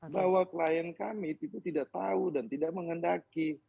bahwa klien kami itu tidak tahu dan tidak mengendaki